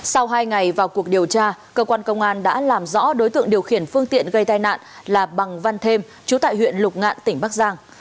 sau hai ngày vào cuộc điều tra cơ quan công an đã làm rõ đối tượng điều khiển phương tiện gây tai nạn là bằng văn thêm chú tại huyện lục ngạn tỉnh bắc giang